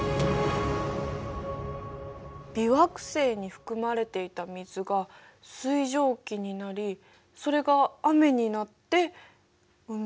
微惑星に含まれていた水が水蒸気になりそれが雨になって海を作った？